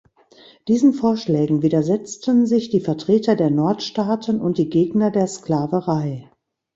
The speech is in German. Diesen Vorschlägen widersetzten sich die Vertreter der Nordstaaten und die Gegner der Sklaverei.